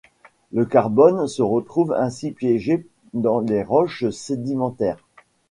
Le carbone se retrouve ainsi piégé dans les roches sédimentaires.